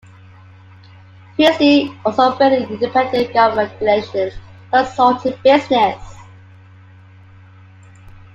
Christie also operated an independent government relations consulting business.